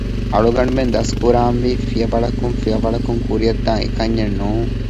އަޅުގަނޑުމެން ދަސްކުރާންވީ ފިޔަވަޅަކުން ފިޔަވަޅަކުން ކުރިޔަށްދާން އެކަންޏެއް ނޫން